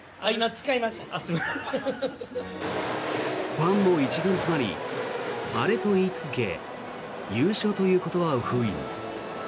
ファンも一丸となりアレと言い続け優勝という言葉を封印。